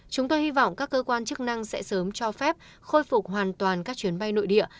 chúng tôi hy vọng các cơ quan chức năng sẽ sớm cho phép khôi phục hoàn toàn các chuyến bay nội địa